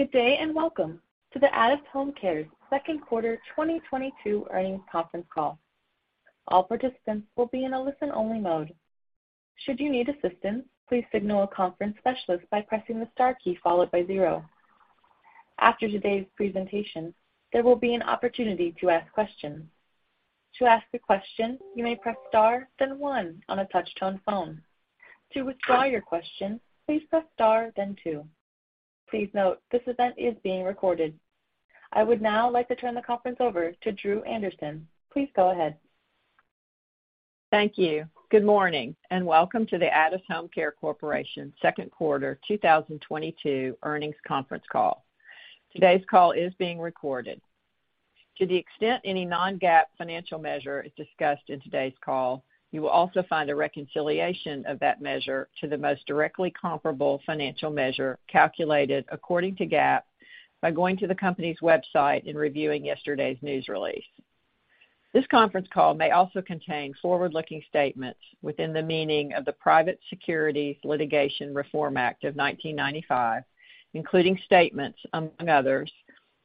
Good day, and welcome to the Addus HomeCare second quarter 2022 earnings conference call. All participants will be in a listen-only mode. Should you need assistance, please signal a conference specialist by pressing the star key followed by zero. After today's presentation, there will be an opportunity to ask questions. To ask a question, you may press star, then one on a touch-tone phone. To withdraw your question, please press star, then two. Please note, this event is being recorded. I would now like to turn the conference over to Dru Anderson. Please go ahead. Thank you. Good morning, and welcome to the Addus HomeCare Corporation second quarter 2022 earnings conference call. Today's call is being recorded. To the extent any non-GAAP financial measure is discussed in today's call, you will also find a reconciliation of that measure to the most directly comparable financial measure calculated according to GAAP by going to the company's website and reviewing yesterday's news release. This conference call may also contain forward-looking statements within the meaning of the Private Securities Litigation Reform Act of 1995, including statements, among others,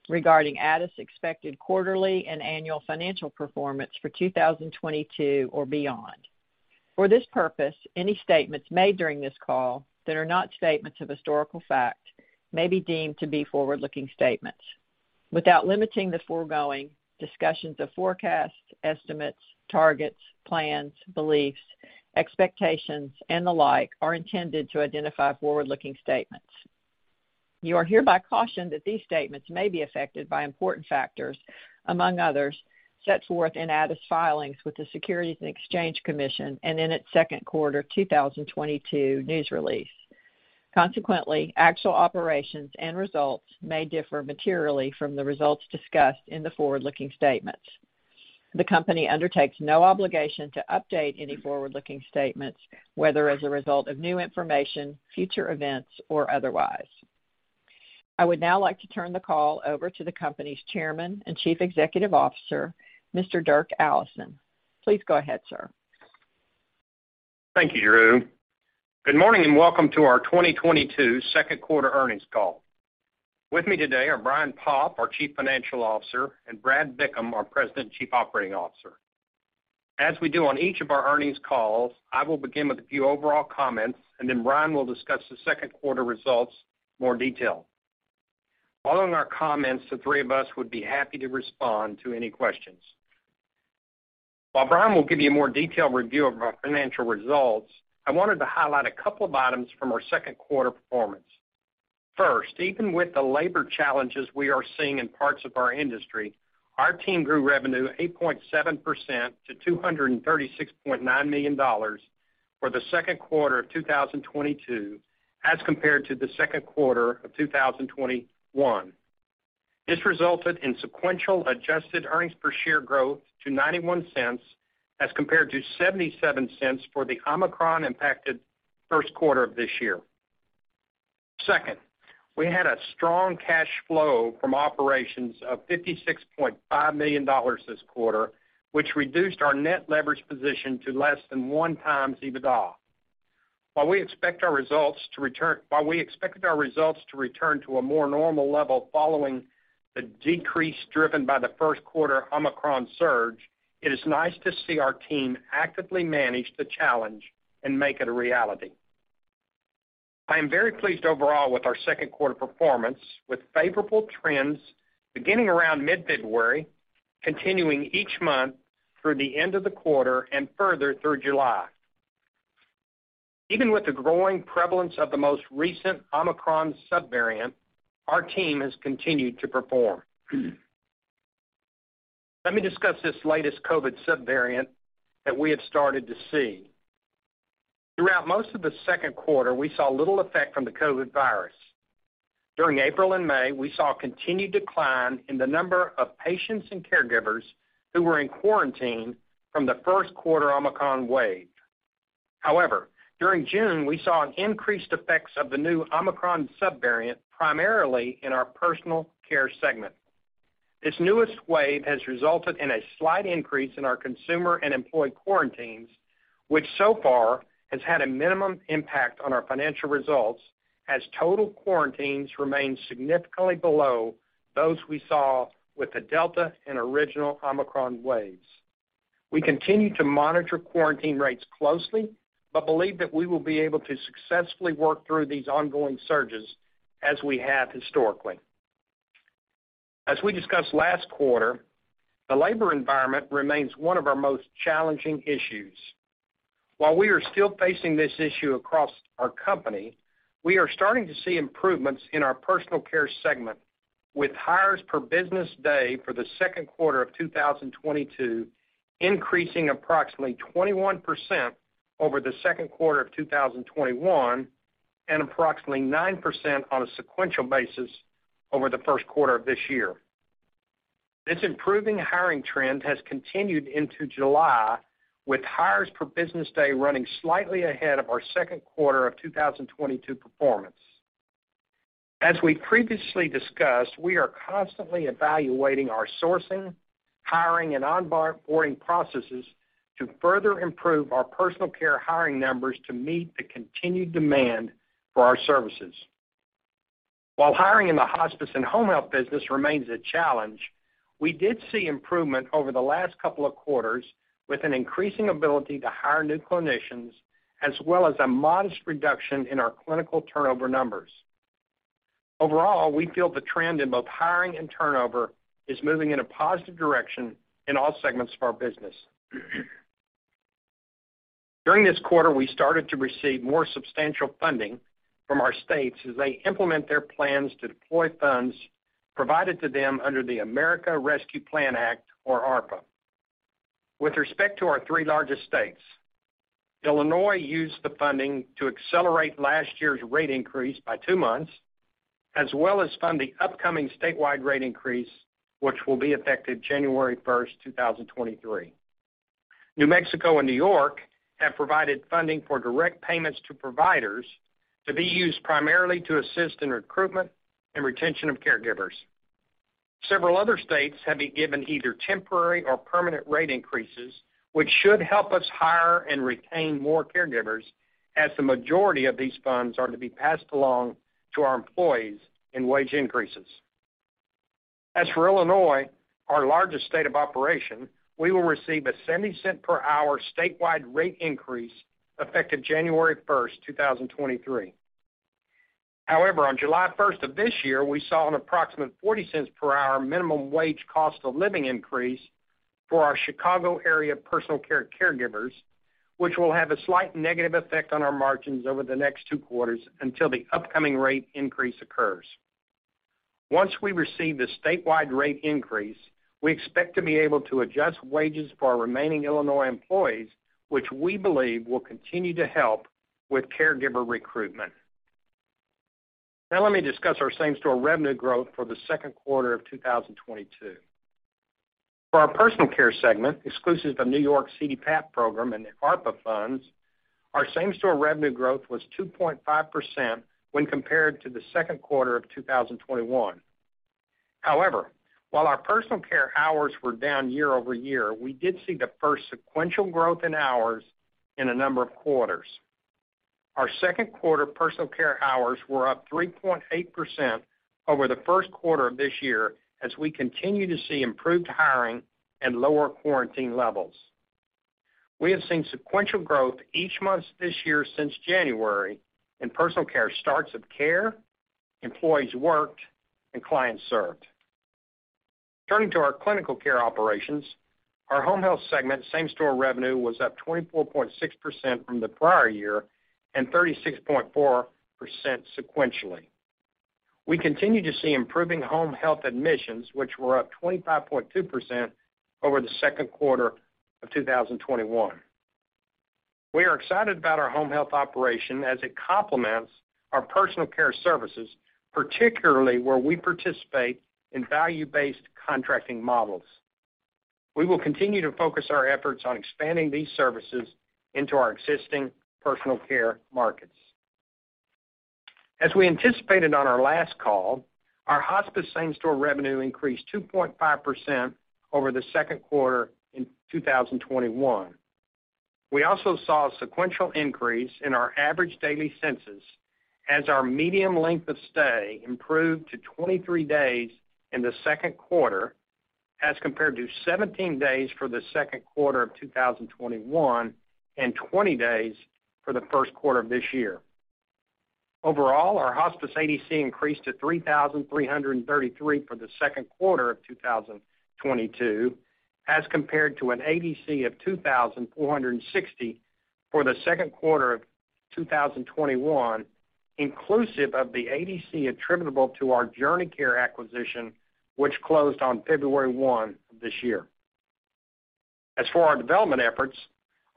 regarding Addus' expected quarterly and annual financial performance for 2022 or beyond. For this purpose, any statements made during this call that are not statements of historical fact may be deemed to be forward-looking statements. Without limiting the foregoing, discussions of forecasts, estimates, targets, plans, beliefs, expectations, and the like are intended to identify forward-looking statements. You are hereby cautioned that these statements may be affected by important factors, among others, set forth in Addus' filings with the Securities and Exchange Commission and in its second quarter 2022 news release. Consequently, actual operations and results may differ materially from the results discussed in the forward-looking statements. The company undertakes no obligation to update any forward-looking statements, whether as a result of new information, future events, or otherwise. I would now like to turn the call over to the company's Chairman and Chief Executive Officer, Mr. Dirk Allison. Please go ahead, sir. Thank you, Dru. Good morning, and welcome to our 2022 second quarter earnings call. With me today are Brian Poff, our Chief Financial Officer, and Brad Bickham, our President and Chief Operating Officer. As we do on each of our earnings calls, I will begin with a few overall comments, and then Brian will discuss the second quarter results in more detail. Following our comments, the three of us would be happy to respond to any questions. While Brian will give you a more detailed review of our financial results, I wanted to highlight a couple of items from our second quarter performance. First, even with the labor challenges we are seeing in parts of our industry, our team grew revenue 8.7% to $236.9 million for the second quarter of 2022 as compared to the second quarter of 2021. This resulted in sequential adjusted earnings per share growth to $0.91 as compared to $0.77 for the Omicron-impacted first quarter of this year. Second, we had a strong cash flow from operations of $56.5 million this quarter, which reduced our net leverage position to less than 1x EBITDA. While we expected our results to return to a more normal level following the decrease driven by the first quarter Omicron surge, it is nice to see our team actively manage the challenge and make it a reality. I am very pleased overall with our second quarter performance, with favorable trends beginning around mid-February, continuing each month through the end of the quarter and further through July. Even with the growing prevalence of the most recent Omicron subvariant, our team has continued to perform. Let me discuss this latest COVID subvariant that we have started to see. Throughout most of the second quarter, we saw little effect from the COVID virus. During April and May, we saw a continued decline in the number of patients and caregivers who were in quarantine from the first quarter Omicron wave. However, during June, we saw an increased effects of the new Omicron subvariant, primarily in our personal care segment. This newest wave has resulted in a slight increase in our consumer and employee quarantines, which so far has had a minimum impact on our financial results as total quarantines remain significantly below those we saw with the Delta and original Omicron waves. We continue to monitor quarantine rates closely, but believe that we will be able to successfully work through these ongoing surges as we have historically. As we discussed last quarter, the labor environment remains one of our most challenging issues. While we are still facing this issue across our company, we are starting to see improvements in our personal care segment, with hires per business day for the second quarter of 2022 increasing approximately 21% over the second quarter of 2021 and approximately 9% on a sequential basis over the first quarter of this year. This improving hiring trend has continued into July, with hires per business day running slightly ahead of our second quarter of 2022 performance. As we previously discussed, we are constantly evaluating our sourcing, hiring and onboarding processes to further improve our personal care hiring numbers to meet the continued demand for our services. While hiring in the hospice and home health business remains a challenge, we did see improvement over the last couple of quarters, with an increasing ability to hire new clinicians as well as a modest reduction in our clinical turnover numbers. Overall, we feel the trend in both hiring and turnover is moving in a positive direction in all segments of our business. During this quarter, we started to receive more substantial funding from our states as they implement their plans to deploy funds provided to them under the American Rescue Plan Act, or ARPA. With respect to our three largest states, Illinois used the funding to accelerate last year's rate increase by two months, as well as fund the upcoming statewide rate increase, which will be effective January 1st, 2023. New Mexico and New York have provided funding for direct payments to providers to be used primarily to assist in recruitment and retention of caregivers. Several other states have been given either temporary or permanent rate increases, which should help us hire and retain more caregivers, as the majority of these funds are to be passed along to our employees in wage increases. As for Illinois, our largest state of operation, we will receive a $0.70 per hour statewide rate increase effective January 1st, 2023. However, on July 1st of this year, we saw an approximate $0.40 per hour minimum wage cost of living increase for our Chicago area personal care caregivers, which will have a slight negative effect on our margins over the next two quarters until the upcoming rate increase occurs. Once we receive the statewide rate increase, we expect to be able to adjust wages for our remaining Illinois employees, which we believe will continue to help with caregiver recruitment. Now let me discuss our same-store revenue growth for the second quarter of 2022. For our personal care segment, exclusive of New York's CDPAP program and the ARPA funds, our same-store revenue growth was 2.5% when compared to the second quarter of 2021. However, while our personal care hours were down year-over-year, we did see the first sequential growth in hours in a number of quarters. Our second quarter personal care hours were up 3.8% over the first quarter of this year as we continue to see improved hiring and lower quarantine levels. We have seen sequential growth each month this year since January in personal care starts of care, employees worked, and clients served. Turning to our clinical care operations, our home health segment same-store revenue was up 24.6% from the prior year and 36.4% sequentially. We continue to see improving home health admissions, which were up 25.2% over the second quarter of 2021. We are excited about our home health operation as it complements our personal care services, particularly where we participate in value-based contracting models. We will continue to focus our efforts on expanding these services into our existing personal care markets. As we anticipated on our last call, our hospice same-store revenue increased 2.5% over the second quarter of 2021. We also saw a sequential increase in our average daily census as our median length of stay improved to 23 days in the second quarter as compared to 17 days for the second quarter of 2021 and 20 days for the first quarter of this year. Overall, our hospice ADC increased to 3,333 for the second quarter of 2022, as compared to an ADC of 2,460 for the second quarter of 2021, inclusive of the ADC attributable to our JourneyCare acquisition, which closed on February 1 this year. As for our development efforts,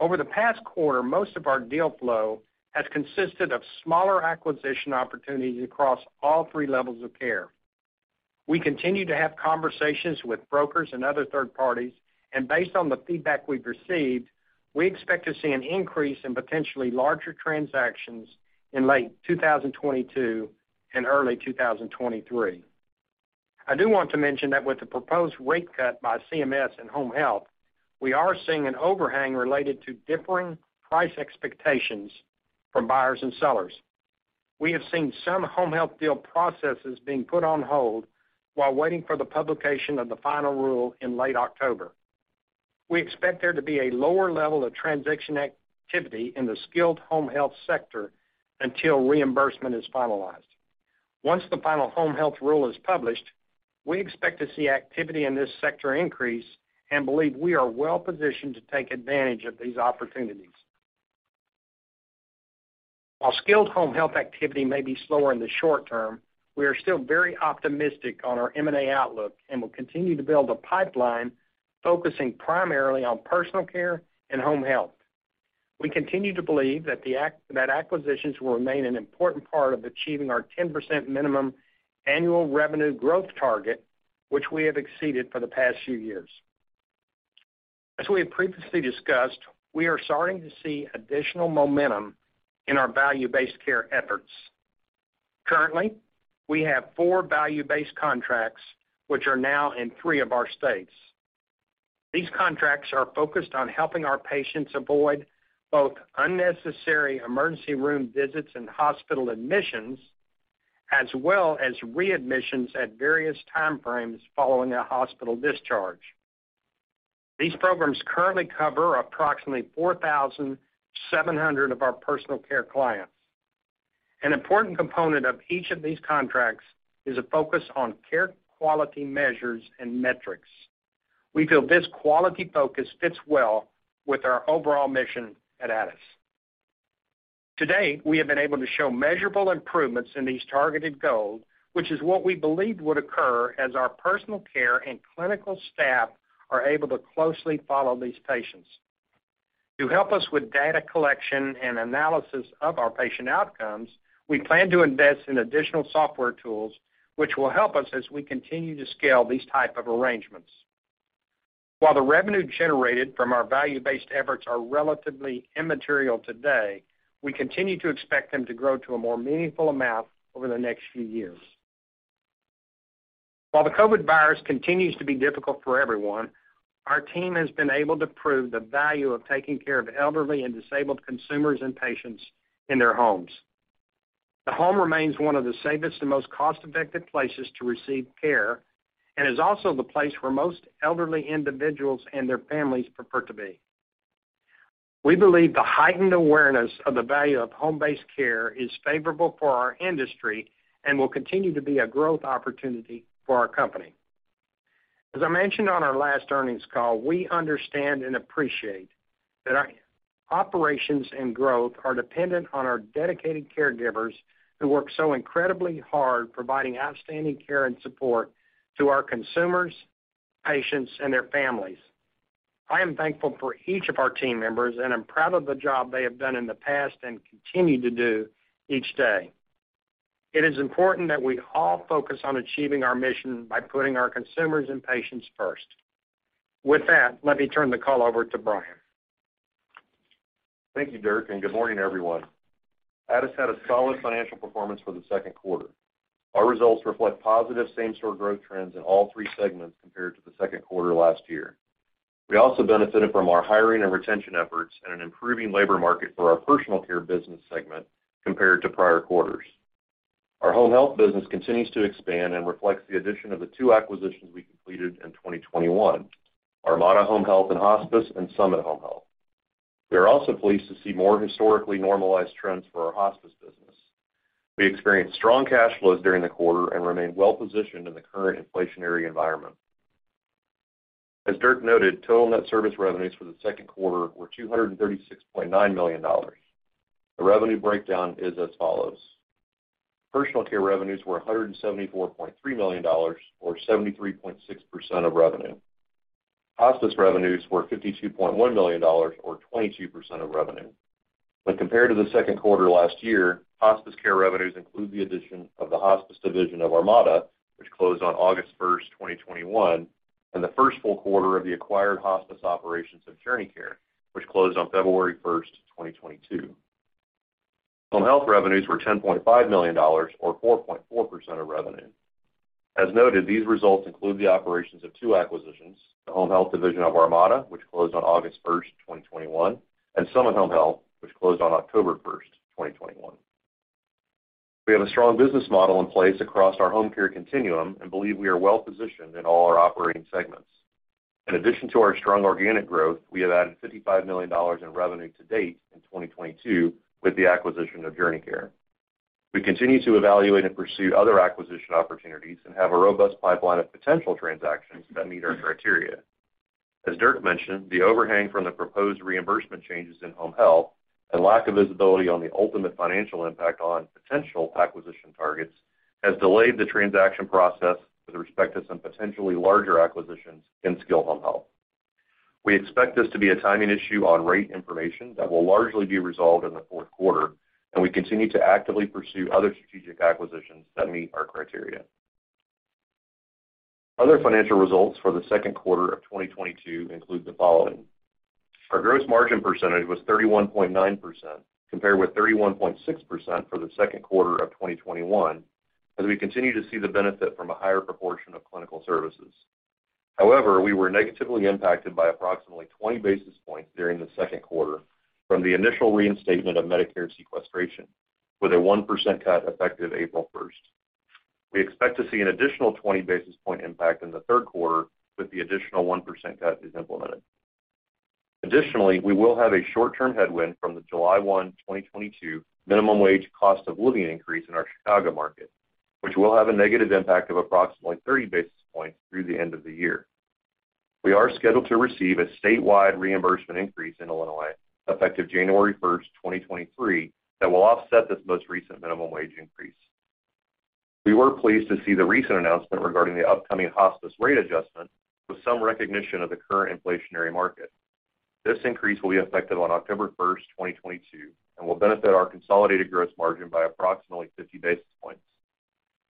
over the past quarter, most of our deal flow has consisted of smaller acquisition opportunities across all three levels of care. We continue to have conversations with brokers and other third parties, and based on the feedback we've received, we expect to see an increase in potentially larger transactions in late 2022 and early 2023. I do want to mention that with the proposed rate cut by CMS in home health, we are seeing an overhang related to differing price expectations from buyers and sellers. We have seen some home health deal processes being put on hold while waiting for the publication of the final rule in late October. We expect there to be a lower level of transaction activity in the skilled home health sector until reimbursement is finalized. Once the final home health rule is published, we expect to see activity in this sector increase and believe we are well positioned to take advantage of these opportunities. While skilled home health activity may be slower in the short term, we are still very optimistic on our M&A outlook and will continue to build a pipeline focusing primarily on personal care and home health. We continue to believe that acquisitions will remain an important part of achieving our 10% minimum annual revenue growth target, which we have exceeded for the past few years. As we have previously discussed, we are starting to see additional momentum in our value-based care efforts. Currently, we have four value-based contracts which are now in three of our states. These contracts are focused on helping our patients avoid both unnecessary emergency room visits and hospital admissions, as well as readmissions at various time frames following a hospital discharge. These programs currently cover approximately 4,700 of our personal care clients. An important component of each of these contracts is a focus on care quality measures and metrics. We feel this quality focus fits well with our overall mission at Addus. To date, we have been able to show measurable improvements in these targeted goals, which is what we believed would occur as our personal care and clinical staff are able to closely follow these patients. To help us with data collection and analysis of our patient outcomes, we plan to invest in additional software tools which will help us as we continue to scale these type of arrangements. While the revenue generated from our value-based efforts are relatively immaterial today, we continue to expect them to grow to a more meaningful amount over the next few years. While the COVID virus continues to be difficult for everyone, our team has been able to prove the value of taking care of elderly and disabled consumers and patients in their homes. The home remains one of the safest and most cost-effective places to receive care and is also the place where most elderly individuals and their families prefer to be. We believe the heightened awareness of the value of home-based care is favorable for our industry and will continue to be a growth opportunity for our company. As I mentioned on our last earnings call, we understand and appreciate that our operations and growth are dependent on our dedicated caregivers who work so incredibly hard providing outstanding care and support to our consumers, patients, and their families. I am thankful for each of our team members, and I'm proud of the job they have done in the past and continue to do each day. It is important that we all focus on achieving our mission by putting our consumers and patients first. With that, let me turn the call over to Brian. Thank you, Dirk, and good morning, everyone. Addus had a solid financial performance for the second quarter. Our results reflect positive same-store growth trends in all three segments compared to the second quarter last year. We also benefited from our hiring and retention efforts and an improving labor market for our personal care business segment compared to prior quarters. Our home health business continues to expand and reflects the addition of the two acquisitions we completed in 2021, Armada Home Health and Hospice and Summit Home Health. We are also pleased to see more historically normalized trends for our hospice business. We experienced strong cash flows during the quarter and remain well positioned in the current inflationary environment. As Dirk noted, total net service revenues for the second quarter were $236.9 million. The revenue breakdown is as follows. Personal care revenues were $174.3 million or 73.6% of revenue. Hospice revenues were $52.1 million or 22% of revenue. When compared to the second quarter last year, hospice care revenues include the addition of the hospice division of Armada, which closed on August 1st, 2021, and the first full quarter of the acquired hospice operations of JourneyCare, which closed on February 1st, 2022. Home health revenues were $10.5 million or 4.4% of revenue. As noted, these results include the operations of two acquisitions, the home health division of Armada, which closed on August 1st, 2021, and Summit Home Health, which closed on October 1st, 2021. We have a strong business model in place across our home care continuum and believe we are well positioned in all our operating segments. In addition to our strong organic growth, we have added $55 million in revenue to date in 2022 with the acquisition of JourneyCare. We continue to evaluate and pursue other acquisition opportunities and have a robust pipeline of potential transactions that meet our criteria. As Dirk mentioned, the overhang from the proposed reimbursement changes in home health and lack of visibility on the ultimate financial impact on potential acquisition targets has delayed the transaction process with respect to some potentially larger acquisitions in skilled home health. We expect this to be a timing issue on rate information that will largely be resolved in the fourth quarter, and we continue to actively pursue other strategic acquisitions that meet our criteria. Other financial results for the second quarter of 2022 include the following. Our gross margin percentage was 31.9%, compared with 31.6% for the second quarter of 2021, as we continue to see the benefit from a higher proportion of clinical services. However, we were negatively impacted by approximately 20 basis points during the second quarter from the initial reinstatement of Medicare sequestration, with a 1% cut effective April 1st. We expect to see an additional 20 basis point impact in the third quarter with the additional 1% cut as implemented. Additionally, we will have a short-term headwind from the July 1, 2022 minimum wage cost of living increase in our Chicago market, which will have a negative impact of approximately 30 basis points through the end of the year. We are scheduled to receive a statewide reimbursement increase in Illinois effective January 1st, 2023, that will offset this most recent minimum wage increase. We were pleased to see the recent announcement regarding the upcoming hospice rate adjustment with some recognition of the current inflationary market. This increase will be effective on October 1st, 2022, and will benefit our consolidated gross margin by approximately 50 basis points.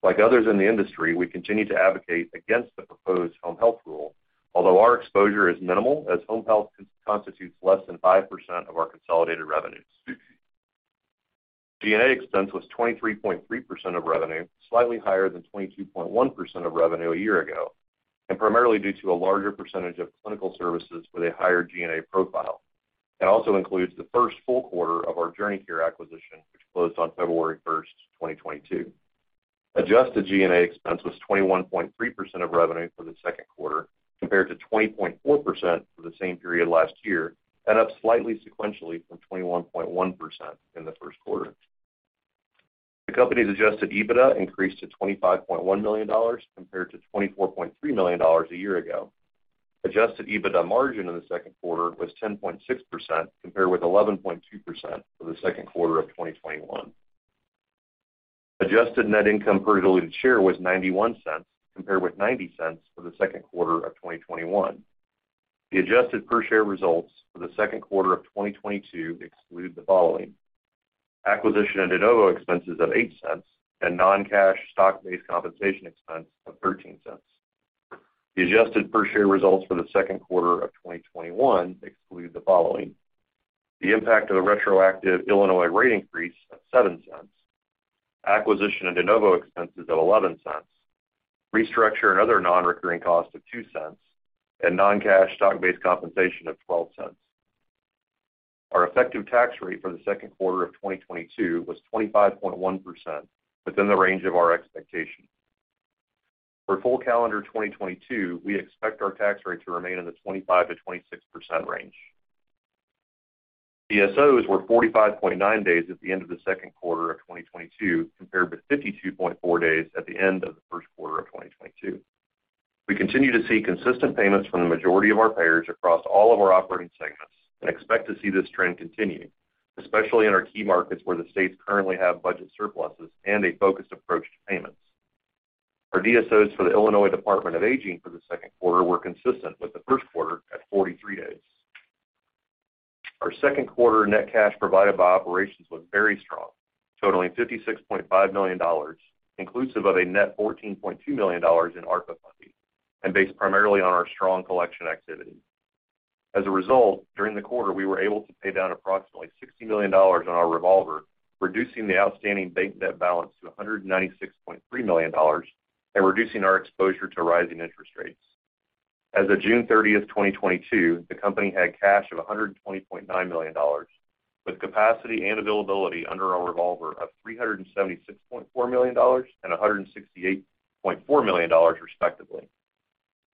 Like others in the industry, we continue to advocate against the proposed home health rule, although our exposure is minimal as home health constitutes less than 5% of our consolidated revenues. G&A expense was 23.3% of revenue, slightly higher than 22.1% of revenue a year ago, and primarily due to a larger percentage of clinical services with a higher G&A profile. That also includes the first full quarter of our JourneyCare acquisition, which closed on February 1st, 2022. Adjusted G&A expense was 21.3% of revenue for the second quarter, compared to 20.4% for the same period last year, and up slightly sequentially from 21.1% in the first quarter. The company's adjusted EBITDA increased to $25.1 million compared to $24.3 million a year ago. Adjusted EBITDA margin in the second quarter was 10.6% compared with 11.2% for the second quarter of 2021. Adjusted net income per diluted share was $0.91 compared with $0.90 for the second quarter of 2021. The adjusted per share results for the second quarter of 2022 exclude the following, acquisition and de novo expenses of $0.08 and non-cash stock-based compensation expense of $0.13. The adjusted per share results for the second quarter of 2021 exclude the following, the impact of the retroactive Illinois rate increase of $0.07, acquisition and de novo expenses of $0.11, restructure and other nonrecurring costs of $0.02, and non-cash stock-based compensation of $0.12. Our effective tax rate for the second quarter of 2022 was 25.1%, within the range of our expectation. For full calendar 2022, we expect our tax rate to remain in the 25%-26% range. DSOs were 45.9 days at the end of the second quarter of 2022, compared with 52.4 days at the end of the first quarter of 2022. We continue to see consistent payments from the majority of our payers across all of our operating segments and expect to see this trend continue, especially in our key markets where the states currently have budget surpluses and a focused approach to payments. Our DSOs for the Illinois Department on Aging for the second quarter were consistent with the first quarter at 43 days. Our second quarter net cash provided by operations was very strong, totaling $56.5 million, inclusive of a net $14.2 million in ARPA funding and based primarily on our strong collection activity. As a result, during the quarter, we were able to pay down approximately $60 million on our revolver, reducing the outstanding bank debt balance to $196.3 million and reducing our exposure to rising interest rates. As of June 30th, 2022, the company had cash of $120.9 million, with capacity and availability under our revolver of $376.4 million and $168.4 million, respectively.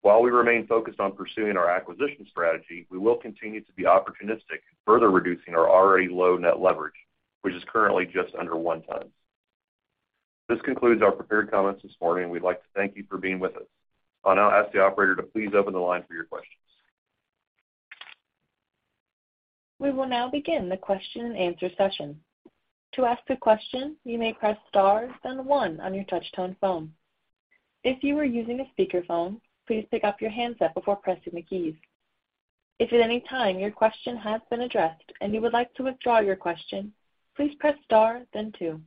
While we remain focused on pursuing our acquisition strategy, we will continue to be opportunistic in further reducing our already low net leverage, which is currently just under 1x. This concludes our prepared comments this morning. We'd like to thank you for being with us. I'll now ask the operator to please open the line for your questions. We will now begin the question-and-answer session. To ask a question, you may press star then one on your touch-tone phone. If you are using a speakerphone, please pick up your handset before pressing the keys. If at any time your question has been addressed and you would like to withdraw your question, please press star then two.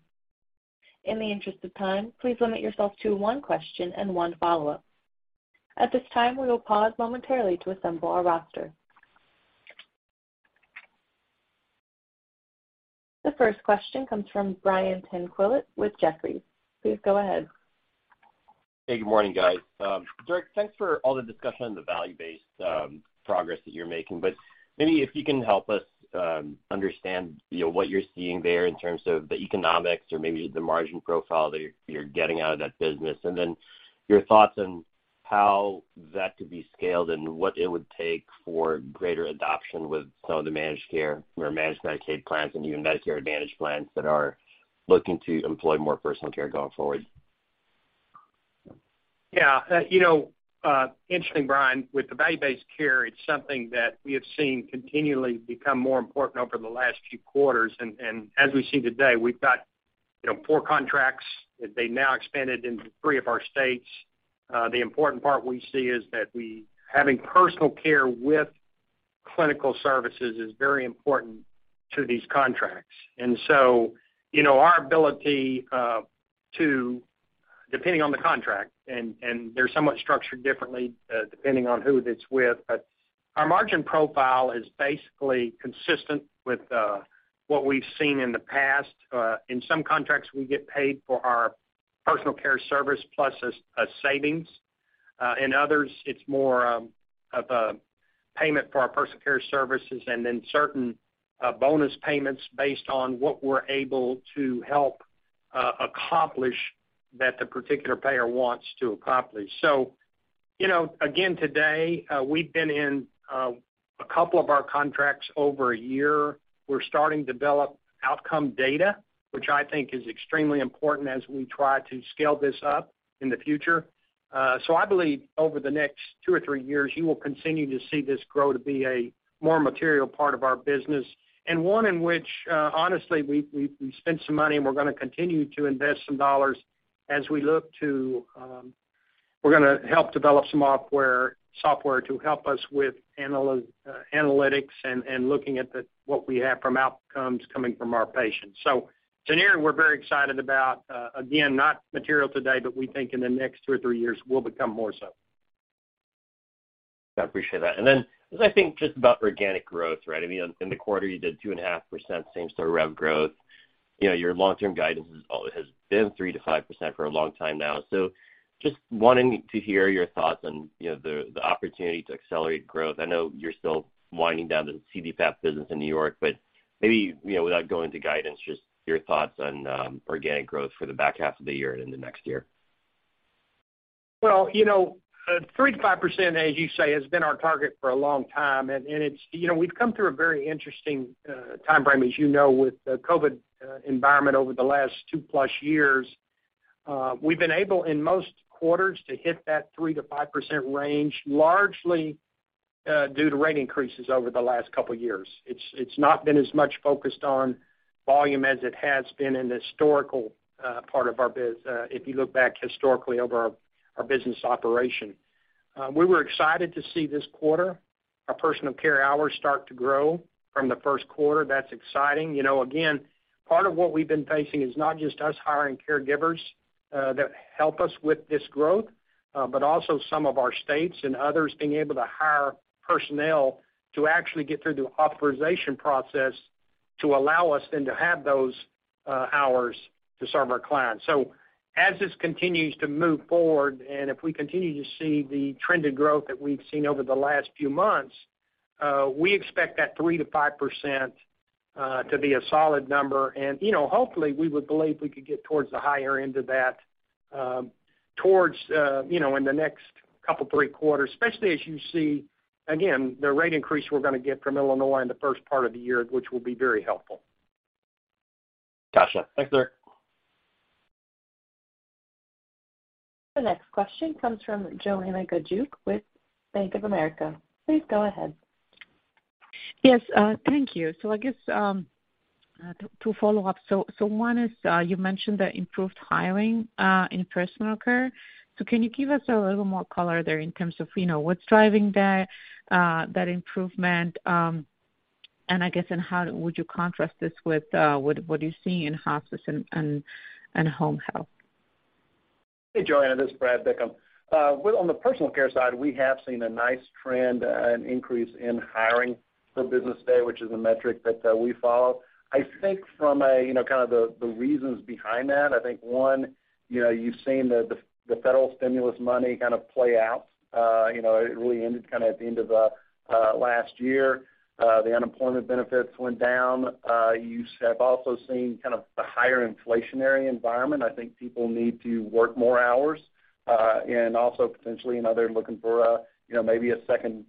In the interest of time, please limit yourself to one question and one follow-up. At this time, we will pause momentarily to assemble our roster. The first question comes from Brian Tanquilut with Jefferies. Please go ahead. Hey, good morning, guys. Dirk, thanks for all the discussion on the value-based progress that you're making. Maybe if you can help us understand, you know, what you're seeing there in terms of the economics or maybe the margin profile that you're getting out of that business, and then your thoughts on how that could be scaled and what it would take for greater adoption with some of the managed care or managed Medicaid plans and even Medicare Advantage plans that are looking to employ more personal care going forward. Yeah. You know, interesting, Brian, with the value-based care, it's something that we have seen continually become more important over the last few quarters. As we see today, we've got, you know, four contracts. They now expanded into three of our states. The important part we see is that having personal care with clinical services is very important to these contracts. You know, our ability to, depending on the contract, and they're somewhat structured differently, depending on who it's with, but our margin profile is basically consistent with what we've seen in the past. In some contracts, we get paid for our personal care service plus a savings. In others, it's more of a payment for our personal care services and then certain bonus payments based on what we're able to help accomplish that the particular payer wants to accomplish. You know, again, today, we've been in a couple of our contracts over a year. We're starting to develop outcome data, which I think is extremely important as we try to scale this up in the future. I believe over the next two or three years, you will continue to see this grow to be a more material part of our business and one in which, honestly, we spent some money, and we're gonna continue to invest some dollars as we look to We're gonna help develop some software to help us with analytics and looking at what we have from outcomes coming from our patients. Generally, we're very excited about, again, not material today, but we think in the next two or three years will become more so. I appreciate that. I think just about organic growth, right? I mean, in the quarter, you did 2.5% same-store rev growth. You know, your long-term guidance has been 3%-5% for a long time now. Just wanting to hear your thoughts on, you know, the opportunity to accelerate growth. I know you're still winding down the CDPAP business in New York, but maybe, you know, without going to guidance, just your thoughts on organic growth for the back half of the year and in the next year. Well, you know, 3%-5%, as you say, has been our target for a long time. It's, you know, we've come through a very interesting timeframe, as you know, with the COVID environment over the last 2+ years. We've been able, in most quarters, to hit that 3%-5% range, largely, due to rate increases over the last couple years. It's not been as much focused on volume as it has been in the historical part of our biz, if you look back historically over our business operation. We were excited to see this quarter, our personal care hours start to grow from the first quarter. That's exciting. You know, again, part of what we've been facing is not just us hiring caregivers that help us with this growth, but also some of our states and others being able to hire personnel to actually get through the authorization process to allow us then to have those hours to serve our clients. As this continues to move forward, and if we continue to see the trended growth that we've seen over the last few months, we expect that 3%-5% to be a solid number. You know, hopefully, we would believe we could get towards the higher end of that, towards you know, in the next couple, three quarters, especially as you see, again, the rate increase we're gonna get from Illinois in the first part of the year, which will be very helpful. Gotcha. Thanks, Dirk. The next question comes from Joanna Gajuk with Bank of America. Please go ahead. Yes, thank you. I guess to follow up, so one is you mentioned the improved hiring in personal care. Can you give us a little more color there in terms of, you know, what's driving that improvement? I guess, how would you contrast this with what you're seeing in hospice and home health? Hey, Joanna Gajuk, this is Brad Bickham. Well, on the personal care side, we have seen a nice trend and increase in hiring for business day, which is a metric that we follow. I think from a, you know, kind of the reasons behind that, I think one, you know, you've seen the federal stimulus money kind of play out. You know, it really ended kind of at the end of last year. The unemployment benefits went down. You have also seen kind of a higher inflationary environment. I think people need to work more hours, and also potentially another looking for a, you know, maybe a second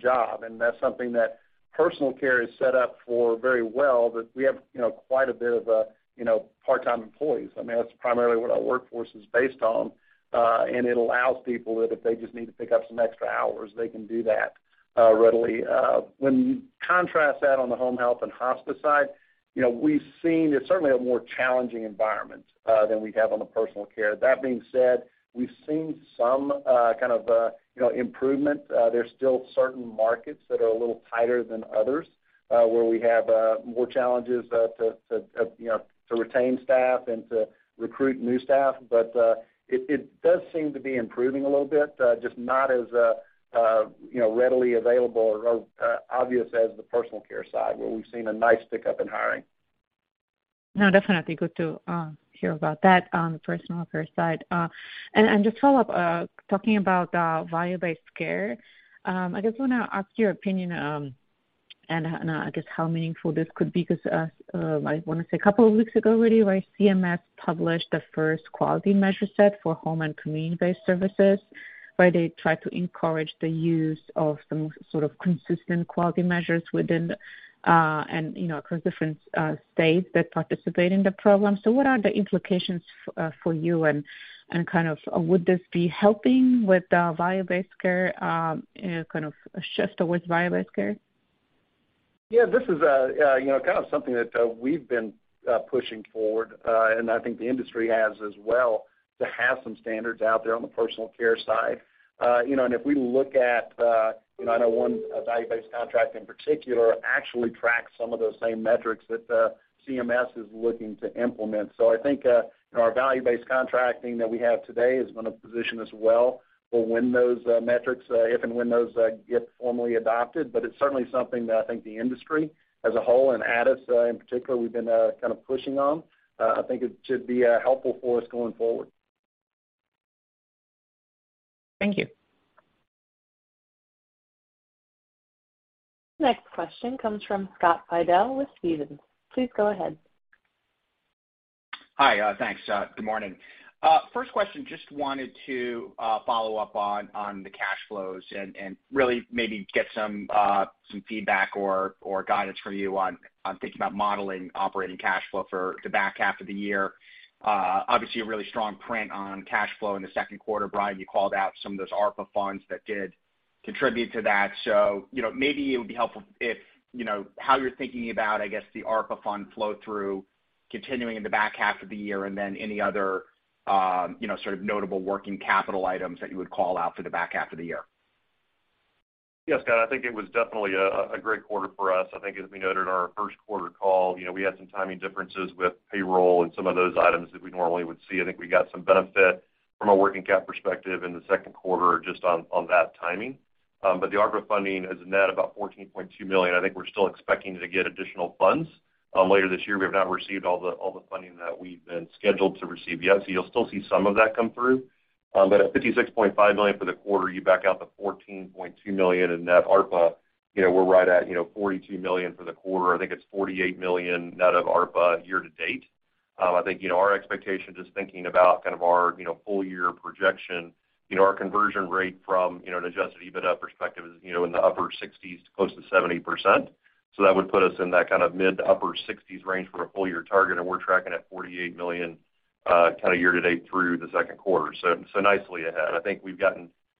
job. That's something that personal care is set up for very well, that we have, you know, quite a bit of part-time employees. I mean, that's primarily what our workforce is based on. It allows people that if they just need to pick up some extra hours, they can do that readily. When you contrast that on the home health and hospice side, you know, we've seen it's certainly a more challenging environment than we have on the personal care. That being said, we've seen some kind of, you know, improvement. There's still certain markets that are a little tighter than others, where we have more challenges to you know, to retain staff and to recruit new staff. It does seem to be improving a little bit, just not as you know, readily available or obvious as the personal care side, where we've seen a nice pickup in hiring. No, definitely good to hear about that on the personal care side. Just follow up talking about value-based care. I just wanna ask your opinion, and I guess how meaningful this could be, because I wanna say a couple of weeks ago already, right, CMS published the first quality measure set for home and community-based services, where they try to encourage the use of some sort of consistent quality measures within the, and you know, across different states that participate in the program. What are the implications for you and kind of would this be helping with the value-based care, you know, kind of a shift towards value-based care? Yeah, this is, you know, kind of something that we've been pushing forward, and I think the industry has as well, to have some standards out there on the personal care side. You know, if we look at, you know, I know one value-based contract in particular actually tracks some of those same metrics that CMS is looking to implement. I think, you know, our value-based contracting that we have today is gonna position us well for when those metrics, if and when those get formally adopted. It's certainly something that I think the industry as a whole and us, in particular, we've been kind of pushing on. I think it should be helpful for us going forward. Thank you. Next question comes from Scott Fidel with Stephens. Please go ahead. Hi, thanks. Good morning. First question, just wanted to follow up on the cash flows and really maybe get some feedback or guidance from you on thinking about modeling operating cash flow for the back half of the year. Obviously a really strong print on cash flow in the second quarter. Brian, you called out some of those ARPA funds that did contribute to that. You know, maybe it would be helpful if, you know, how you're thinking about, I guess, the ARPA fund flow through. Continuing in the back half of the year, and then any other, you know, sort of notable working capital items that you would call out for the back half of the year. Yes, Scott, I think it was definitely a great quarter for us. I think as we noted our first quarter call, you know, we had some timing differences with payroll and some of those items that we normally would see. I think we got some benefit from a working cap perspective in the second quarter just on that timing. The ARPA funding is net about $14.2 million. I think we're still expecting to get additional funds later this year. We have not received all the funding that we've been scheduled to receive yet. You'll still see some of that come through. At $56.5 million for the quarter, you back out the $14.2 million in net ARPA, you know, we're right at, you know, $42 million for the quarter. I think it's $48 million net of ARPA year-to-date. I think, you know, our expectation, just thinking about kind of our, you know, full year projection, you know, our conversion rate from, you know, an adjusted EBITDA perspective is, you know, in the upper 60s to close to 70%. That would put us in that kind of mid- to upper 60s range for a full year target, and we're tracking at $48 million, kind of year-to-date through the second quarter. Nicely ahead. I think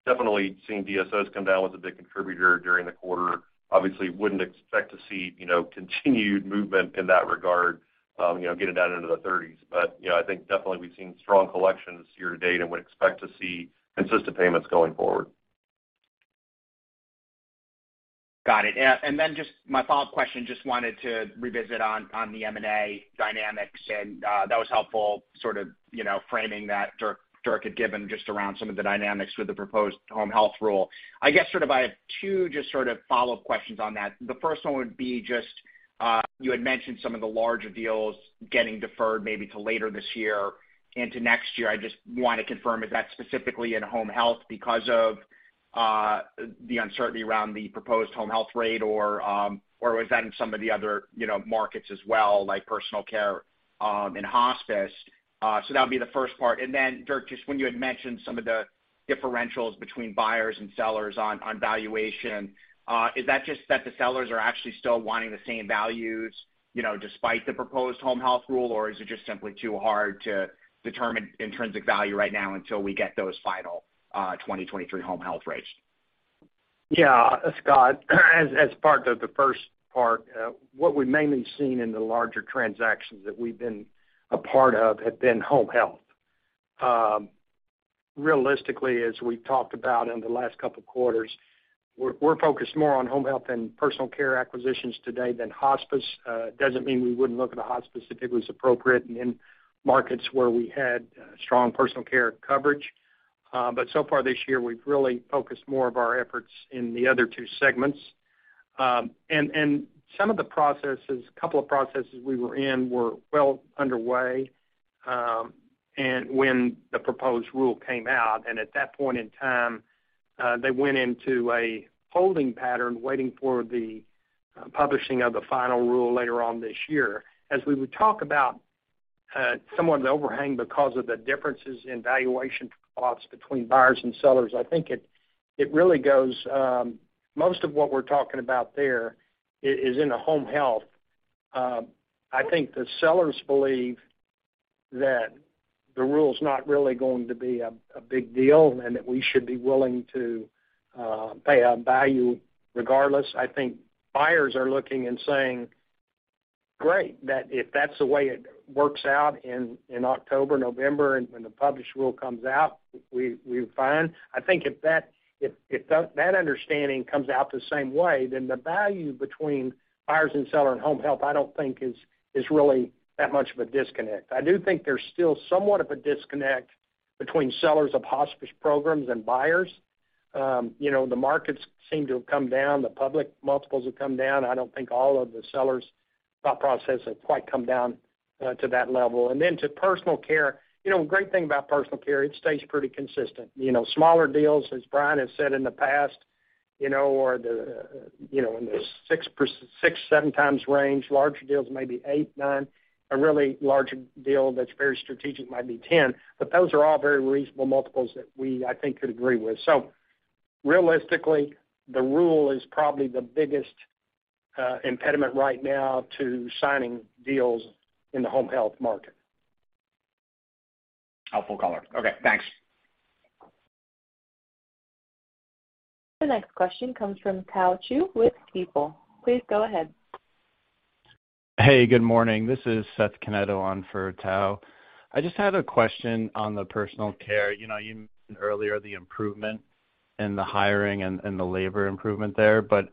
definitely seeing DSOs come down was a big contributor during the quarter. Obviously wouldn't expect to see, you know, continued movement in that regard, you know, getting down into the 30s. I think definitely we've seen strong collections year-to-date and would expect to see consistent payments going forward. Got it. Yeah, just my follow-up question, just wanted to revisit on the M&A dynamics, and that was helpful sort of, you know, framing that Dirk had given just around some of the dynamics with the proposed home health rule. I guess, sort of I have two just sort of follow-up questions on that. The first one would be just, you had mentioned some of the larger deals getting deferred maybe to later this year into next year. I just want to confirm, is that specifically in home health because of the uncertainty around the proposed home health rate, or was that in some of the other, you know, markets as well, like personal care and hospice? That would be the first part. Dirk, just when you had mentioned some of the differentials between buyers and sellers on valuation, is that just that the sellers are actually still wanting the same values, you know, despite the proposed home health rule, or is it just simply too hard to determine intrinsic value right now until we get those final 2023 home health rates? Yeah, Scott, as part of the first part, what we've mainly seen in the larger transactions that we've been a part of have been home health. Realistically, as we talked about in the last couple of quarters, we're focused more on home health and personal care acquisitions today than hospice. Doesn't mean we wouldn't look at a hospice if it was appropriate and in markets where we had strong personal care coverage. But so far this year, we've really focused more of our efforts in the other two segments. Some of the processes, a couple of processes we were in were well underway, and when the proposed rule came out, and at that point in time, they went into a holding pattern waiting for the publishing of the final rule later on this year. As we would talk about, somewhat of the overhang because of the differences in valuation costs between buyers and sellers, I think it really goes, most of what we're talking about there is in the home health. I think the sellers believe that the rule's not really going to be a big deal and that we should be willing to pay out value regardless. I think buyers are looking and saying, "Great, that if that's the way it works out in October, November, and when the published rule comes out, we're fine." I think if that understanding comes out the same way, then the value between buyers and seller in home health, I don't think is really that much of a disconnect. I do think there's still somewhat of a disconnect between sellers of hospice programs and buyers. You know, the markets seem to have come down, the public multiples have come down. I don't think all of the sellers' thought process have quite come down to that level. To personal care, you know, great thing about personal care, it stays pretty consistent. You know, smaller deals, as Brian has said in the past, in the 6-7x range, larger deals, maybe 8-9x, a really larger deal that's very strategic might be 10. Those are all very reasonable multiples that we, I think, could agree with. Realistically, the rule is probably the biggest impediment right now to signing deals in the home health market. Helpful color. Okay, thanks. The next question comes from Tao Qiu with Stifel. Please go ahead. Hey, good morning. This is Seth Canetto on for Tao. I just had a question on the personal care. You know, you mentioned earlier the improvement in the hiring and the labor improvement there, but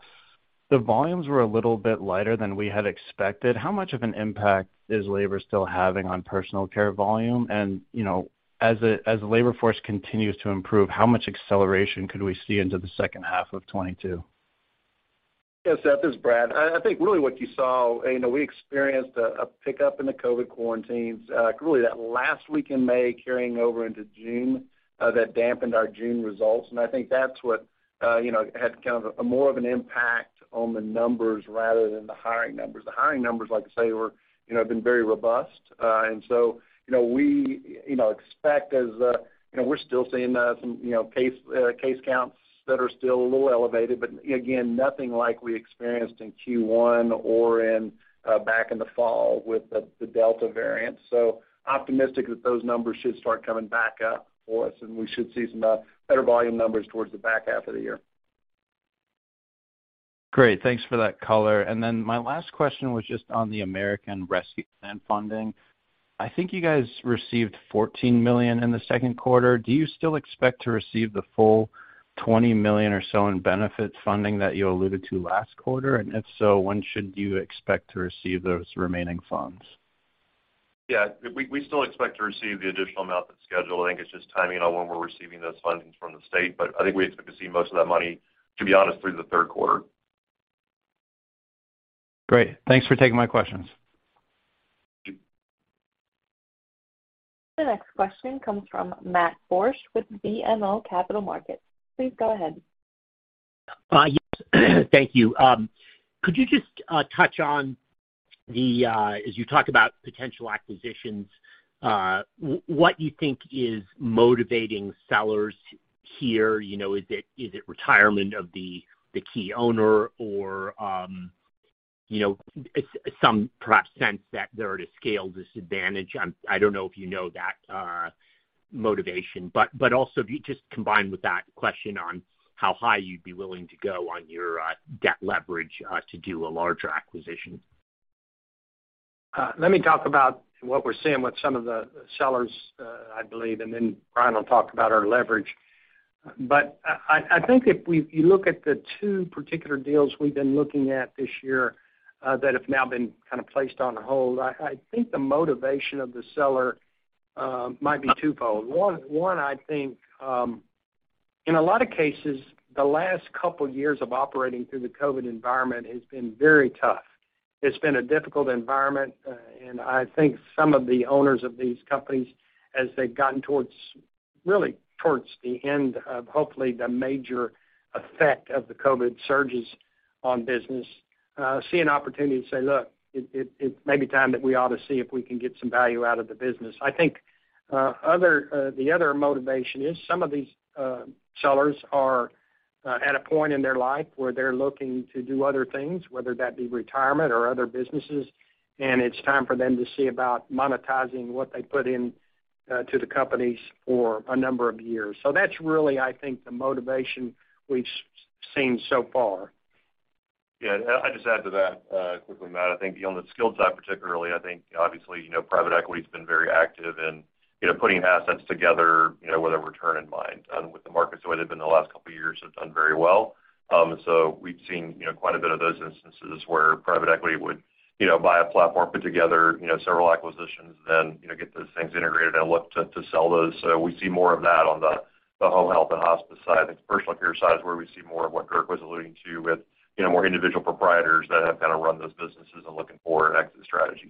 the volumes were a little bit lighter than we had expected. How much of an impact is labor still having on personal care volume? You know, as the labor force continues to improve, how much acceleration could we see into the second half of 2022? Yeah, Seth, this is Brad. I think really what you saw, you know, we experienced a pickup in the COVID quarantines really that last week in May carrying over into June that dampened our June results. I think that's what you know had kind of a more of an impact on the numbers rather than the hiring numbers. The hiring numbers, like I say, were, you know, have been very robust. You know, we you know expect as you know we're still seeing some you know case counts that are still a little elevated, but again, nothing like we experienced in Q1 or in back in the fall with the Delta variant. Optimistic that those numbers should start coming back up for us, and we should see some better volume numbers towards the back half of the year. Great. Thanks for that color. My last question was just on the American Rescue Plan funding. I think you guys received $14 million in the second quarter. Do you still expect to receive the full $20 million or so in benefit funding that you alluded to last quarter? If so, when should you expect to receive those remaining funds? Yeah. We still expect to receive the additional amount that's scheduled. I think it's just timing on when we're receiving those fundings from the state. I think we expect to see most of that money, to be honest, through the third quarter. Great. Thanks for taking my questions. The next question comes from Matt Borsch with BMO Capital Markets. Please go ahead. Could you just touch on the, as you talk about potential acquisitions, what you think is motivating sellers here? You know, is it retirement of the key owner or, you know, some perhaps sense that they're at a scale disadvantage? I don't know if you know that motivation, but also if you just combine with that question on how high you'd be willing to go on your debt leverage to do a larger acquisition. Let me talk about what we're seeing with some of the sellers, I believe, and then Brian will talk about our leverage. I think if we look at the two particular deals we've been looking at this year, that have now been kind of placed on hold, I think the motivation of the seller might be twofold. One, I think, in a lot of cases, the last couple years of operating through the COVID environment has been very tough. It's been a difficult environment, and I think some of the owners of these companies, as they've gotten towards, really towards the end of, hopefully the major effect of the COVID surges on business, see an opportunity to say, "Look, it may be time that we ought to see if we can get some value out of the business." I think the other motivation is some of these sellers are at a point in their life where they're looking to do other things, whether that be retirement or other businesses, and it's time for them to see about monetizing what they put in to the companies for a number of years. That's really, I think, the motivation we've seen so far. Yeah. I'll just add to that quickly, Matt. I think on the skilled side particularly, I think obviously, you know, private equity has been very active in, you know, putting assets together, you know, with a return in mind. With the markets the way they've been the last couple of years, have done very well. We've seen, you know, quite a bit of those instances where private equity would, you know, buy a platform, put together, you know, several acquisitions, then, you know, get those things integrated and look to sell those. We see more of that on the home health and hospice side. I think the personal care side is where we see more of what Dirk was alluding to with, you know, more individual proprietors that have kind of run those businesses and looking for an exit strategy.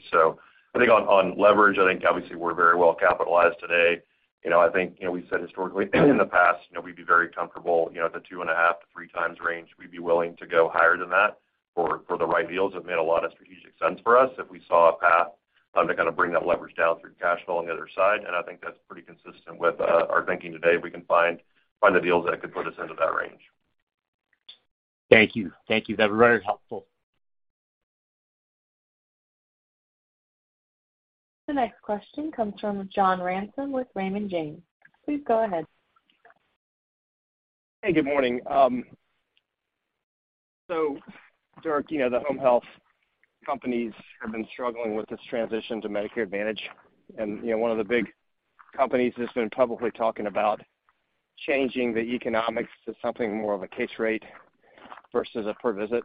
I think on leverage, I think obviously we're very well capitalized today. You know, I think, you know, we said historically in the past, you know, we'd be very comfortable, you know, at the 2.5-3x range. We'd be willing to go higher than that for the right deals. It made a lot of strategic sense for us if we saw a path to kind of bring that leverage down through cash flow on the other side. I think that's pretty consistent with our thinking today. We can find the deals that could put us into that range. Thank you. Thank you. That was very helpful. The next question comes from John Ransom with Raymond James. Please go ahead. Hey, good morning. Dirk, you know, the home health companies have been struggling with this transition to Medicare Advantage. You know, one of the big companies has been publicly talking about changing the economics to something more of a case rate versus a per visit.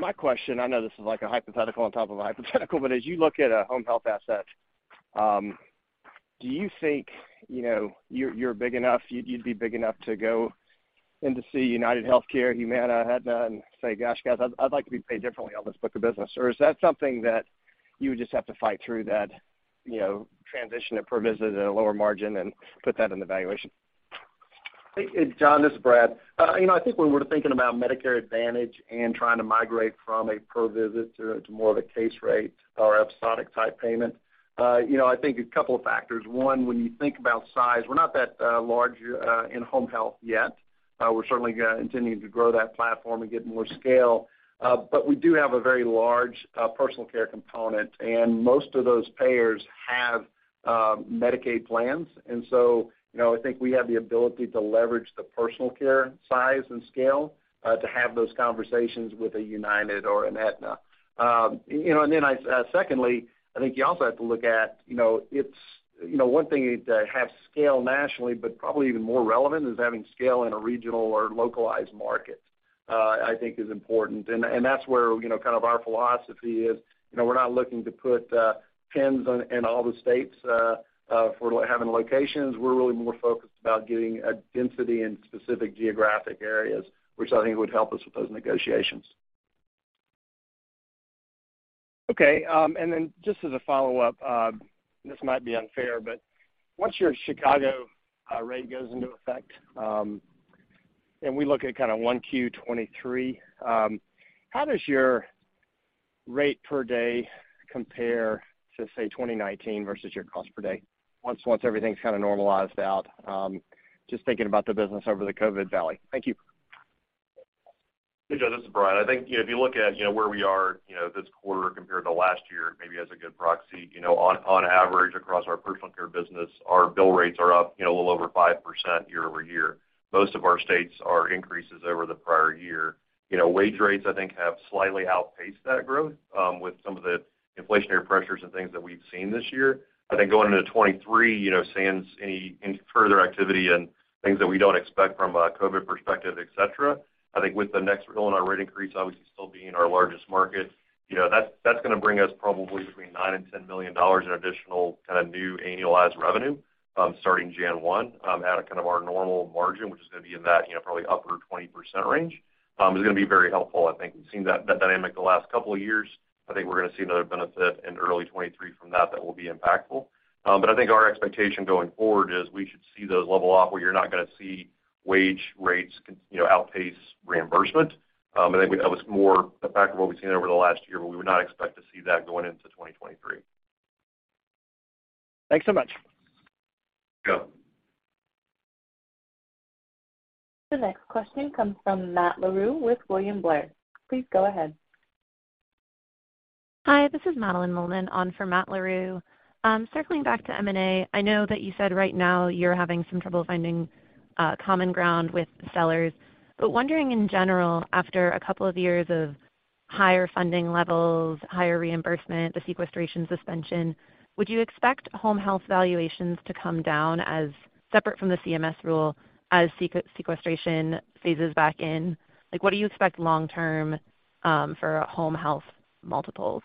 My question, I know this is like a hypothetical on top of a hypothetical, but as you look at a home health asset, do you think, you know, you're big enough, you'd be big enough to go in to see UnitedHealthcare, Humana, Aetna, and say, "Gosh, guys, I'd like to be paid differently on this book of business?" Or is that something that you would just have to fight through that, you know, transition to per visit at a lower margin and put that in the valuation? Hey, John, this is Brad. You know, I think when we're thinking about Medicare Advantage and trying to migrate from a per visit to more of a case rate or episodic type payment, you know, I think a couple of factors. One, when you think about size, we're not that large in home health yet. We're certainly continuing to grow that platform and get more scale. We do have a very large personal care component, and most of those payers have Medicaid plans. You know, I think we have the ability to leverage the personal care size and scale to have those conversations with a UnitedHealthcare or an Aetna. Secondly, I think you also have to look at, you know, it's, you know, one thing is to have scale nationally, but probably even more relevant is having scale in a regional or localized market, I think is important. That's where, you know, kind of our philosophy is, you know, we're not looking to put pins on in all the states for having locations. We're really more focused about getting a density in specific geographic areas, which I think would help us with those negotiations. Okay. Just as a follow-up, this might be unfair, but once your Chicago rate goes into effect, and we look at kind of 1Q 2023, how does your rate per day compare to, say, 2019 versus your cost per day once everything's kinda normalized out? Just thinking about the business over the COVID valley. Thank you. Hey, Joe, this is Brian. I think, you know, if you look at, you know, where we are, you know, this quarter compared to last year, maybe as a good proxy, you know, on average across our personal care business, our bill rates are up, you know, a little over 5% year-over-year. Most of our states are increases over the prior year. You know, wage rates I think have slightly outpaced that growth with some of the inflationary pressures and things that we've seen this year. I think going into 2023, you know, sans any further activity and things that we don't expect from a COVID perspective, et cetera, I think with the next rule on our rate increase obviously still being our largest market, you know, that's gonna bring us probably between $9 million and $10 million in additional kind of new annualized revenue, starting January 1, at a kind of our normal margin, which is gonna be in that, you know, probably upper 20% range, is gonna be very helpful. I think we've seen that dynamic the last couple of years. I think we're gonna see another benefit in early 2023 from that will be impactful. I think our expectation going forward is we should see those level off where you're not gonna see wage rates, you know, outpace reimbursement. I think that was more a factor of what we've seen over the last year, but we would not expect to see that going into 2023. Thanks so much. Yeah. The next question comes from Matt Larew with William Blair. Please go ahead. Hi, this is Madeline Mollman on for Matt Larew. Circling back to M&A, I know that you said right now you're having some trouble finding, common ground with sellers. Wondering in general, after a couple of years of higher funding levels, higher reimbursement, the sequestration suspension, would you expect home health valuations to come down as separate from the CMS rule as sequestration phases back in? Like, what do you expect long term, for home health multiples?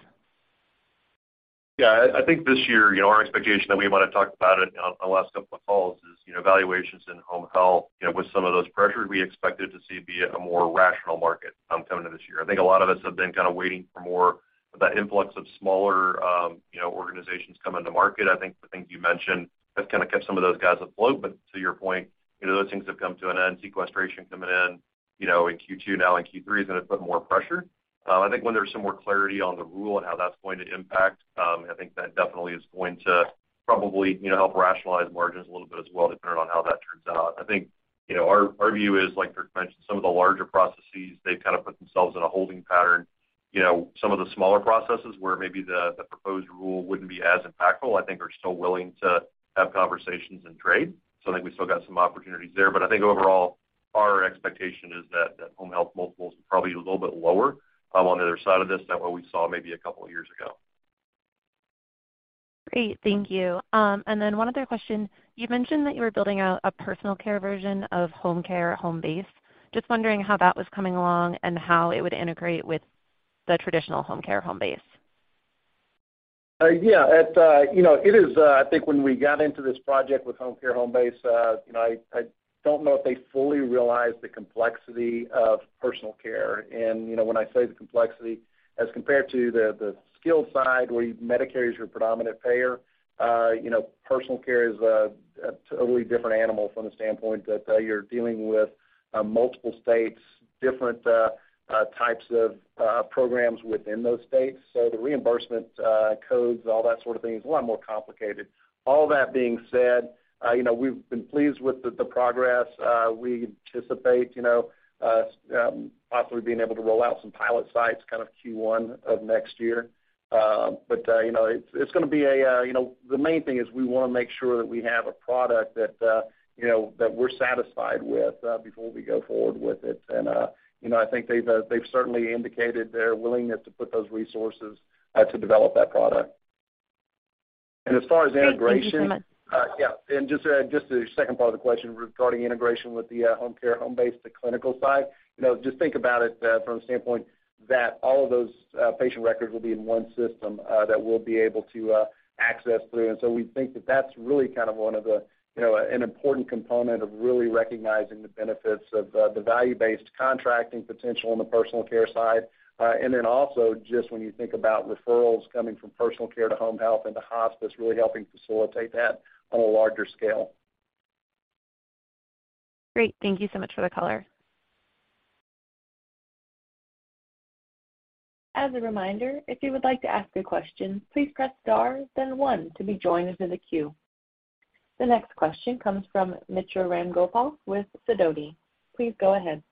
Yeah. I think this year, you know, our expectation that we wanna talk about it on the last couple of calls is, you know, valuations in home health, you know, with some of those pressures, we expected to see a more rational market coming to this year. I think a lot of us have been kinda waiting for more of that influx of smaller, you know, organizations coming to market. I think the things you mentioned have kinda kept some of those guys afloat. To your point, you know, those things have come to an end. Sequestration coming in, you know, in Q2, now in Q3, is gonna put more pressure. I think when there's some more clarity on the rule and how that's going to impact, I think that definitely is going to probably, you know, help rationalize margins a little bit as well, depending on how that turns out. I think, you know, our view is like Dirk mentioned, some of the larger prospects, they've kinda put themselves in a holding pattern. You know, some of the smaller prospects where maybe the proposed rule wouldn't be as impactful, I think are still willing to have conversations and trade. I think we still got some opportunities there. I think overall, our expectation is that home health multiples will probably be a little bit lower, on the other side of this than what we saw maybe a couple of years ago. Great. Thank you. One other question. You mentioned that you were building out a personal care version of Homecare Homebase. Just wondering how that was coming along and how it would integrate with the traditional Homecare Homebase. I think when we got into this project with Homecare Homebase, you know, I don't know if they fully realized the complexity of personal care. You know, when I say the complexity as compared to the skilled side where Medicare is your predominant payer, you know, personal care is a totally different animal from the standpoint that you're dealing with multiple states, different types of programs within those states. The reimbursement codes, all that sort of thing is a lot more complicated. All that being said, you know, we've been pleased with the progress. We anticipate, you know, possibly being able to roll out some pilot sites kind of Q1 of next year. You know, the main thing is we wanna make sure that we have a product that, you know, that we're satisfied with, before we go forward with it. You know, I think they've certainly indicated their willingness to put those resources to develop that product. As far as integration- Great. Thank you so much. Yeah. Just to add to the second part of the question regarding integration with the Homecare Homebase, the clinical side. You know, just think about it from the standpoint that all of those patient records will be in one system that we'll be able to access through. We think that that's really kind of one of the, you know, an important component of really recognizing the benefits of the value-based contracting potential on the personal care side. Also just when you think about referrals coming from personal care to home health and to hospice, really helping facilitate that on a larger scale. Great. Thank you so much for the color. As a reminder, if you would like to ask a question, please press star then one to be joined into the queue. The next question comes from Mitra Ramgopal with Sidoti. Please go ahead.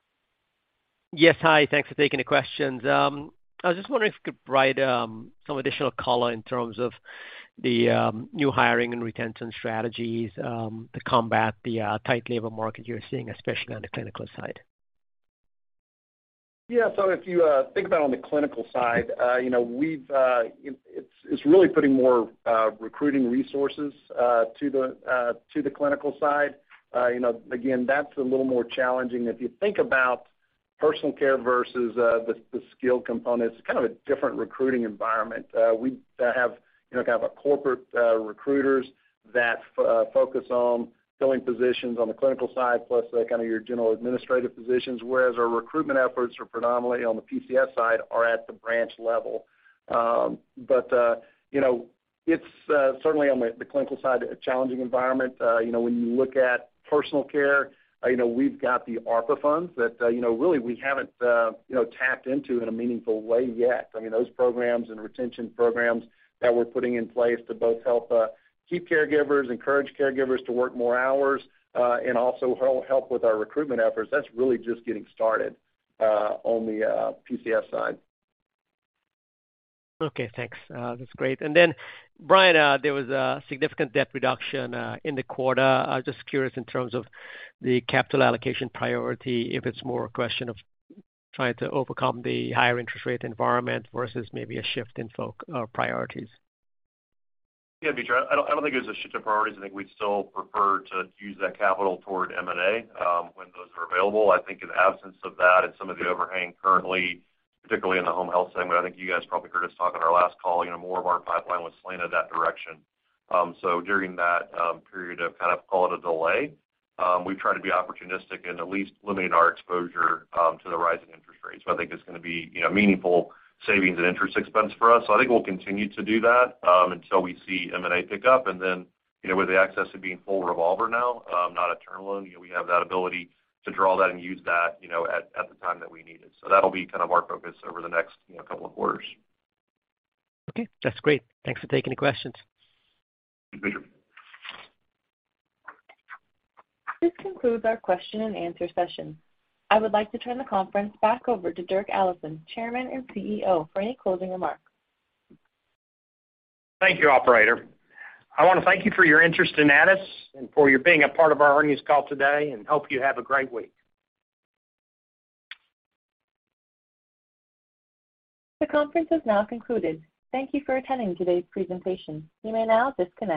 Yes. Hi. Thanks for taking the questions. I was just wondering if you could provide some additional color in terms of the new hiring and retention strategies to combat the tight labor market you're seeing, especially on the clinical side? Yeah. If you think about on the clinical side, you know, it's really putting more recruiting resources to the clinical side. You know, again, that's a little more challenging. If you think about personal care versus the skill component, it's kind of a different recruiting environment. We have you know, kind of a corporate recruiters that focus on filling positions on the clinical side, plus kinda your general administrative positions, whereas our recruitment efforts are predominantly on the PCS side are at the branch level. You know, it's certainly on the clinical side, a challenging environment. You know, when you look at personal care, you know, we've got the ARPA funds that, you know, really, we haven't, you know, tapped into in a meaningful way yet. I mean, those programs and retention programs that we're putting in place to both help keep caregivers, encourage caregivers to work more hours, and also help with our recruitment efforts, that's really just getting started on the PCS side. Okay, thanks. That's great. Brian, there was a significant debt reduction in the quarter. I was just curious in terms of the capital allocation priority, if it's more a question of trying to overcome the higher interest rate environment versus maybe a shift in priorities. Yeah, Mitra. I don't think it was a shift in priorities. I think we'd still prefer to use that capital toward M&A, when those are available. I think in absence of that and some of the overhang currently, particularly in the home health segment, I think you guys probably heard us talk on our last call, you know, more of our pipeline was slanted that direction. During that period of kind of call it a delay, we've tried to be opportunistic and at least limit our exposure to the rising interest rates. I think it's gonna be, you know, meaningful savings and interest expense for us. I think we'll continue to do that until we see M&A pick up. You know, with the access to being full revolver now, not a term loan, you know, we have that ability to draw that and use that, you know, at the time that we need it. That'll be kind of our focus over the next, you know, couple of quarters. Okay, that's great. Thanks for taking the questions. Thank you. This concludes our question and answer session. I would like to turn the conference back over to Dirk Allison, Chairman and CEO, for any closing remarks. Thank you, operator. I wanna thank you for your interest in Addus and for your being a part of our earnings call today, and hope you have a great week. The conference has now concluded. Thank you for attending today's presentation. You may now disconnect.